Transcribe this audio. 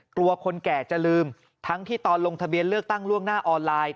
กลัวคนแก่จะลืมทั้งที่ตอนลงทะเบียนเลือกตั้งล่วงหน้าออนไลน์